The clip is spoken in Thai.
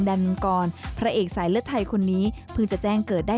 เป็นคนทำงานที่ตั้งใจได้